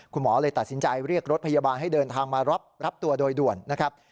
คุณหมอเลยตัดสินใจเรียกรถพยาบาลให้เดินทางมารับตัวโดยด่วนนะครับ